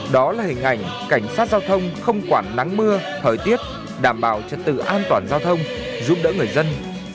đó là hình ảnh cảnh sát giao thông không quản nắng mưa thời tiết đảm bảo trật tự an toàn giao thông giúp đỡ người dân